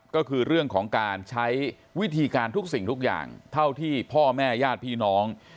ก็คือเรื่องของการใช้วิธีการทุกสิ่งทุกอย่างเท่าที่พ่อแม่ญาติพี่น้อง